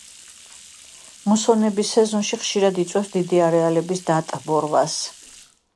მუსონების სეზონში ხშირად იწვევს დიდი არეალების დატბორვას.